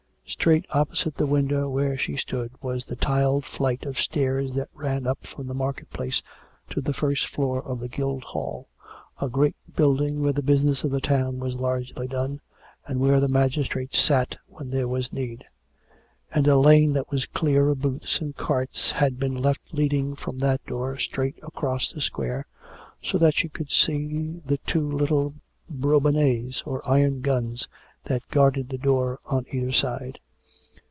Straight opposite the window where she stood was the tiled flight of stairs that ran up from the market place to tiic first floor of the Guildhall, a great building where the business of the town was largely done, and where the mag istrates sat when there was need; and a lane that was clear of booths and carts had been left leading from that door straight across the square, so that she could see the two little brobonets — or iron guns — that guarded the door on either side.